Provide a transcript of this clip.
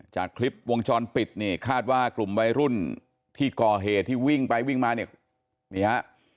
จากคลิปวงจรปิดนี่คาดว่ากลุ่มวัยรุ่นที่ก่อเหตุที่วิ่งไปวิ่งมาเนี่ยนี่ฮะ